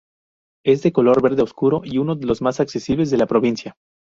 Es de color verde obscuro y uno de los más accesibles de la provincia.